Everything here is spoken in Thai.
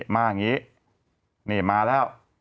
มาอย่างนี้นี่มาแล้ว